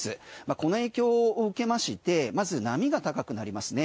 この影響を受けましてまず波が高くなりますね。